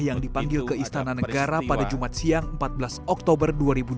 yang dipanggil ke istana negara pada jumat siang empat belas oktober dua ribu dua puluh